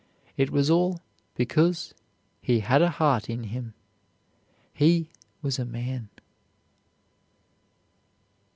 It was all because he had a heart in him; he was a man.